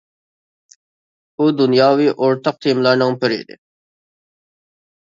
ئۇ دۇنياۋى ئورتاق تېمىلارنىڭ بىرى ئىدى.